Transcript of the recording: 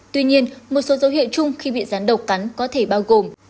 tuy nhiên một số dấu hiệu chung khi bị gián độc cắn có thể bao gồm